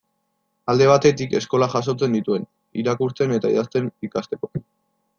Alde batetik, eskolak jasotzen nituen, irakurtzen eta idazten ikasteko.